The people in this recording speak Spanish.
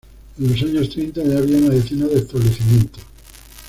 En los años treinta ya había una decena de establecimientos.